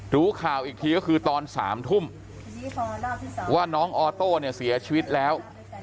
รู้ข่าวอีกทีก็คือตอน๓ทุ่มว่าน้องออโต้เนี่ยเสียชีวิตแล้ว